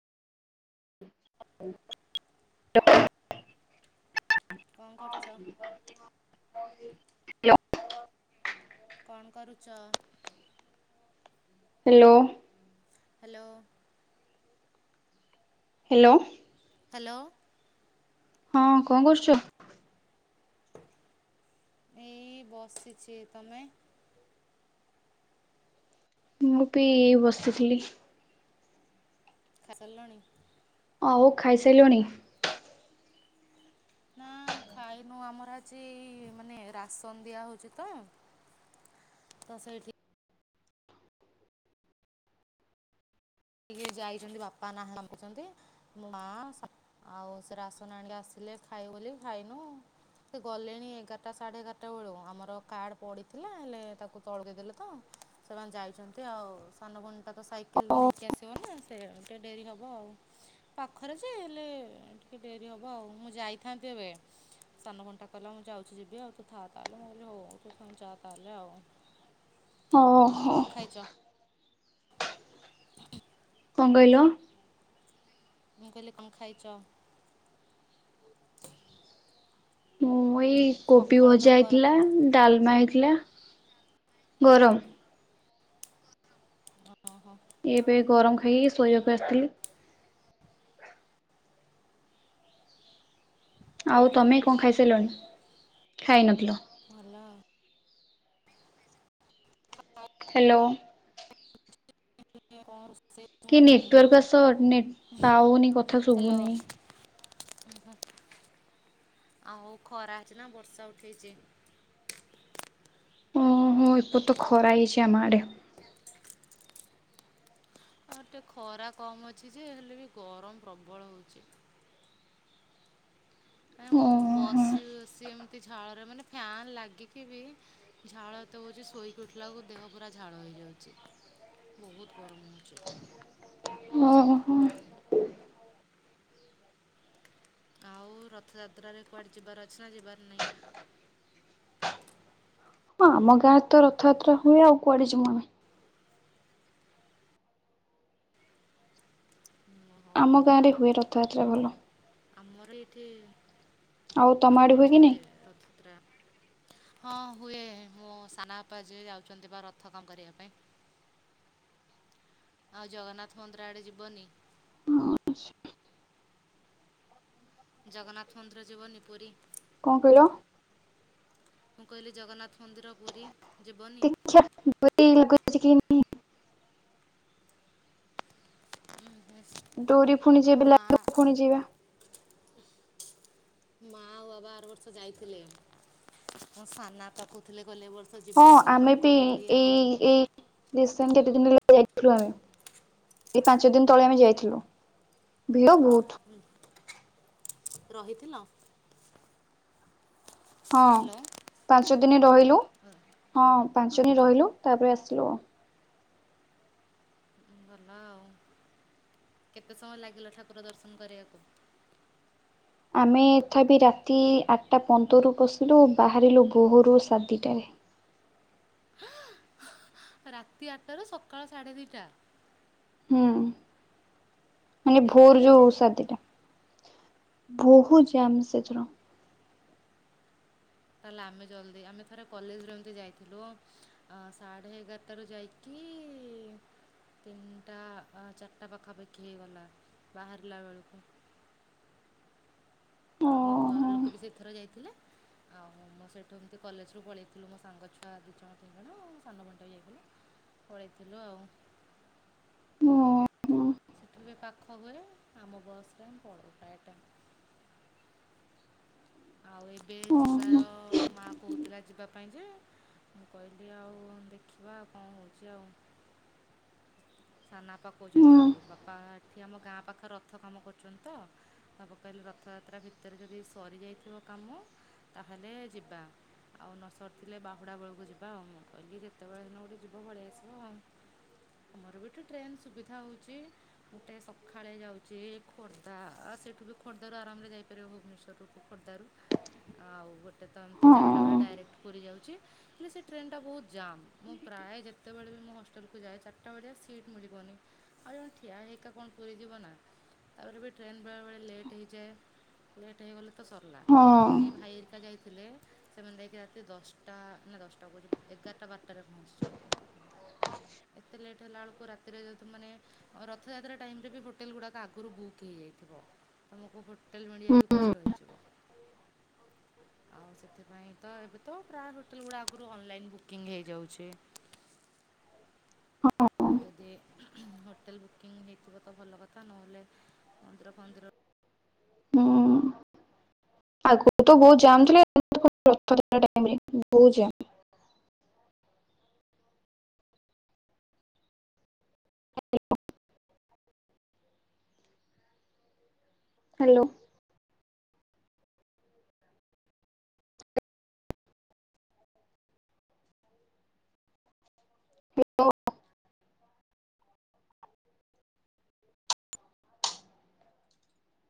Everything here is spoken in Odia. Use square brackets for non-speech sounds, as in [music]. ହ [unintelligible] ହଁ କଣ କରୁଛ [unintelligible] କଣ କରୁଚ? ହ୍ୟାଲୋ। ହ୍ୟାଲୋ। ହ୍ୟାଲୋ। ହ୍ୟାଲୋ। ହଁ କଣ କରୁଚ? ଏଇ ବସିଚି ତମେ? ମୁଁ ପି ବସିଥିଲି। ଖା ସଲଣି? ଆଉ ଖାଇ ସାରିଲଣି? ନା ଖାଇନୁ ଆମର ଆଜି ମାନେ ରାସନ ଦିଆ ହଉଛି ତ। ତ ସେଇଠି ଟିକେ ଯାଇଛନ୍ତି ବାପା ନା [unintelligible] ମୋ ମା ସ ଆଉ ସେ ରାସନ ଆଣିକି ଆସିଲେ ଖାଇବୁ ବୋଲି ଖାଇନୁ। ସେ ଗଲେଣି ଏଗାରଟା ସାଢେ ଏଗାରଟା ବେଳୁ ଆମର କାର୍ଡ ପଡିଥିଲା ହେଲେ ତାକୁ ତଳେ ଦେଇଦେଲେ ତ ସେମାନେ ଯାଇଛନ୍ତି ଆଉ ସାନ ଭଉଣୀ ଟା ତ ସାଇକେଲରେ ନେଇକି ଆସି ସି ବନା ସେ ଟେ ଡେରି ହବ ଆଉ। ପାଖରେ ଯେ ହେଲେ ଟିକେ ଡେରି ହବ ଆଉ ମୁଁ ଯାଇଥାନ୍ତି ଏବେ ସାନ ଭଉଣୀ ଟା କହିଲା ମୁଁ ଯାଉଛି ଯିବି ଆଉ ତୁ ଥାହା ତାହେଲେ ମୁଁ କହିଲି ହଉ ତୁ ଯାହା ତାହେଲେ ଆଉ। ଓ ହୋ। କ'ଣ ଖାଇଛ କଣ କହିଲ? ମୁଁ କହିଲି କଣ ଖାଇଚ? ମୁଁ ଏଇ କୋବି ନା ଭଜା ହେଇଥିଲା ଗରମ ଡାଲମା ହେଇଥିଲା ଗରମ ଓହୋ ଏବେ ଗରମ ଖାଇକି ଶୋଇବାକୁ ଆସିଥିଲି ଆଉ ତମେ କଣ ଓହୋ ଖାଇସାରିଲଣି ଖାଇ ନଥିଲ। ଭଲ ଆଉ ହ୍ୟାଲୋ। କଣ ରୋଷେଇ ମୁଁ କେ ବି ଜାଣିନି ନେଟୱାର୍କ ଆଜି ଆସ ନେଟ ପାଉନି କଥା ଶୁଭୁନି। ହ [inaudible] ଆଉ ଖରା ହେଇଛି ନା ବର୍ଷା ଉଠେଇଛି? ଓହୋ ଏପଟେ ତ ଖରା ହେଇଛି ଆମ ଆଡେ। ଆଉ ଟେ ଖରା କମ ଅଛି ଯେ ହେଲେ ବି ଗରମ ପ୍ରବଳ ହଉଛି। [unintelligible] ବସି ବସି ଏମିତି ଝାଳରେ ମାନେ ଫ୍ୟାନ ଲାଗିକି ବି ଝାଳ ତ ହଉଛି ସୋ ସୋଇକି ଉଠିଲା ବେଳକୁ ଦେହ ପୁରା ଝାଳ ହେଇଯାଉଛି ବହୁତ ଗରମ ହଉଛି। ଓହୋ। ଆଉ ରଥଯାତ୍ରାରେ କୁଆଡେ ଯିବାର ଅଛି ନା ଯିବାର ନାହିଁ? ହଁ ଆମ ଗାଁରେ ତ ରଥଯାତ୍ରା ହୁଏ ଆଉ କୁଆଡେ ଯିବୁ ଆମେ। ହଁ ଆମ ଭଲ ଗାଁରେ ଆଉ ହୁଏ ରଥଯାତ୍ରା ଭଲ। ଆମର ଏଇଠି ଆଉ ତମ ଆମର ବି ଆଡେ ହୁଏ ଏଠି କି ନାହିଁ? [unintelligible] ହଁ ହୁଏ ମୋ ସାନ ବାପା ଯିଏ ଯାଉଛନ୍ତି ବା ରଥ କାମ କରିବା ପାଇଁ। [inaudible] ଆଉ ଜଗନ୍ନାଥ ମନ୍ଦିର ଆଡେ ଯିବନି? ହଁ [unintelligible] ଜଗନ୍ନାଥ ମନ୍ଦିର ଯିବନି ପୁରୀ। କଣ କହିଲ? ମୁଁ କହିଲି ଜଗନ୍ନାଥ ମନ୍ଦିର ପୁରୀ। ଯିବନି ଦେଖିଆ [inaudible] ଡୋରି ପୁଣି ମୋ ଯେବେ ମା ଲାଗିବ ଫୁଣି ଯିବା। ମା ଆଉ ବାବା ଆର ବର୍ଷ ଯାଇଥିଲେ ମୋ ସାନବାପା କହୁଥିଲେ କହିଲେ ଏ ବର୍ଷ ହଁ ଯିବାକୁ ଆମେ ମୁଁ ବି କହିଲି ଏଇ ଆଉ ଏଇ ରିସେଣ୍ଟ କେତେ ଦିନ ହେଲା ଯାଇଥିଲୁ ଆମେ ଏଇ ପାଞ୍ଚ ଦିନ ତଳେ ଆମେ ଯାଇଥିଲୁ। ଭିଡ ବହୁତ। ରହିଥିଲ? ହଁ ହ୍ୟାଲୋ ପାଞ୍ଚ ଦିନ ରହିଲୁ, ହଁ ପାଞ୍ଚ ଦିନ ଓହୋ ରହିଲୁ ତାପରେ ଆସ ଲୁ ଆଉ ଭଲ ଆଉ। କେତେ ସମୟ ଲାଗିଲା ଠାକୁର ଦର୍ଶନ କରିଆକୁ? ଆମେ ତଥାପି ରାତି ଆଠଟା ପନ୍ଦରୁ ପସିଲୁ ବାହାରିଲୁ ବୋହରୁ ସାଢ଼େ ଦିଇଟା ରେ। ରାତି ଆଠଟାରୁ ସକାଳ ସାଢେ ଦିଟା! ହୁଁ ମାନେ ଏତେ ଭୋର ଯୋଉ ଲେଟ୍ ସାଡ ଦିଇଟା। ବହୁତ ଜାମ୍ ସେଦିନ। ତାହେଲେ ଆମେ ଜଲଦି ଆମେ ଥରେ କଲେଜରେ ଏମତି ଯାଇଥିଲୁ ଅ ସାଢେ ଏଗାରଟାରୁ ଯାଇକି [inaudible] ତିନିଟା ଆ ଚାରିଟା ପାଖାପାଖି ହେଇଗଲା ବାହାରିଲା ବେଳକୁ। ହ [inaudible] ମୋ ଘର ଲୋକ ବି ସେଇଥରେ ଯାଇଥିଲେ। ଆଉ ମୁଁ ସେଇଠୁ ଏମିତି କଲେଜରୁ ପଳେଇଥିଲୁ ମୋ ସାଙ୍ଗ ଛୁଆ ଦିଇ ଜଣ ତିନି ଜଣ ସାନ ଭଉଣୀଟା ବି ଯାଇଥିଲା। ପଳେଇଥିଲୁ ଆଉ। [inaudible] ସେଠି ବି ପାଖ ହୁଏ ଆମ ବସରେ ଆମେ ପଳଉ ପ୍ରାଏ ଟାଇମ୍। ଆଉ ଏବେ ଯିବାର ମା କହୁଥିଲା ଯିବା ପାଇଁ ଯେ ମୁଁ କହିଲି ଆଉ ଦେଖିବା କଣ ହଉଛି ଆଉ। ସାନା ବାପା କହୁଛନ୍ତି ଯିବାକୁ ବାପା ଏଠି ଆମ ଗାଁ ପାଖରେ ରଥ କାମ କରୁଛନ୍ତି ତ ବାପା କହିଲେ ରଥଯାତ୍ରା ଭିତରେ ଯଦି ସରିଯାଇଥିବ କାମ ତାହେଲେ ଯିବା। ଆଉ ନ ସରିଥିଲେ ବାହୁଡ଼ା ବେଳକୁ ଯିବା ଆଉ ମୁଁ କହିଲି ଯେତେବେଳେ ଦିନ ଗୋଟେ ଯିବ ପଳେଇ ଆସିବ ଆଉ। ଅମର ବି ଏଠି ଟ୍ରେନ ସୁବିଧା ହଉଛି ଗୋଟେ ସଖାଳେ ଯାଉଛି ଖୋର୍ଦ୍ଧା ସେଠୁ ବି ଖୋର୍ଦ୍ଧା ରୁ ଆରାମରେ ଯାଇପାରିବ ଭୁବନେଶ୍ୱରରୁ ଖୋର୍ଦ୍ଧାରୁ ଆଉ ଗୋଟେ ତ ଏମତି ଚାରିଟା ବେଳେ ଡାଇକ୍ଟ ପୁରୀ ଯାଉଛି ହେଲେ ସେ ଟ୍ରେନ ଟା ବହୁତ ଜାମ୍ ମୁଁ ପ୍ରା ପ୍ରାଏ ଯେତବେଳେ ବି ମୁଁ ହଷ୍ଟେଲକୁ ଯାଏ ଚାରିଟା ବେଳିଆ ସି ଟ୍ ମିଳିବନି ଆଉ ଜଣେ ଠିଆ ହେଇକା କଣ ପୁରୀ ଯିବ ନା! ତାପରେ ବି ଟ୍ରେନ ବେଳେ ବେଳେ ଲେଟ୍ ହେଇଯାଏ ଲେଟ୍ ହେଇଗଲେ ତ ସରିଲା ଏଇ ଭାଇରିକା ଯାଇ ଥିଲେ ସେମାନେ ଯାଇକି ରାତି ଦଶଟା ନା ଦଶଟା କହୁଚି ଏଗାରଟା ବାରଟାରେ ପହଞ୍ଚିଛନ୍ତି। ହୁଁ ଏତେ ଲେଟ ହେଲାଉକୁ ରାତିରେ ଯଦି ତମେମାନେ ରଥଯାତ୍ରା ଟାଇମରେ ବି ହୋଟେଲ ଗୁଡାକ ଆଗୁରୁ ବୁକ୍ ହେଇଯାଇଥିବ ତମକୁ ହୋଟେଲ ମିଳିଆ ବି କଷ୍ଟ ହେଇଯିବ। କ୍ ଆଉ ସେଥିପାଇଁ ତ ଏବେ ତ ପ୍ରାୟ ହୋଟେଲ ଗୁଡା ଆଗରୁ ଅନଲାଇନ୍ ବୁକିଂ ହେଇଯାଉଛି। ହ ଆଉ ଯଦି ହୋଟେଲ ବୁକିଂ ହେଇଥିବ ତ ଭଲ କଥା ନହେଲେ ମନ୍ଦିର ଫନ୍ଦିର ହୁଁ ଆଗ ତ ବହୁତ ଜାମ ଥିଲେ [unintelligible] ରଥ [unintelligible] ବୁଯା ଆ ହ୍ୟାଲୋ ହାଲୋ। ଟ ଟା